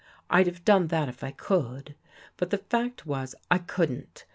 I d have done that if I could. But the fact was I couldn't.